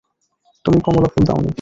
তুমি কমলা ফুল দাওনি।